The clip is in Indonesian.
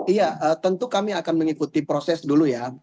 iya tentu kami akan mengikuti proses dulu ya